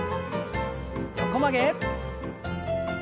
横曲げ。